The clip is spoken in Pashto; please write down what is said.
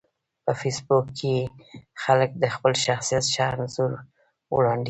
په فېسبوک کې خلک د خپل شخصیت ښه انځور وړاندې کوي